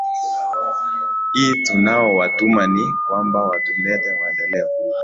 i tunaowatuma ni kwamba watulete maendeleo